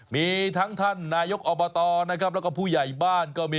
มีทั้งท่านนายกอบตแล้วก็ผู้ใหญ่บ้าน